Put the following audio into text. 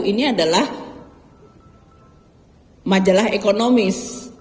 ini adalah majalah ekonomis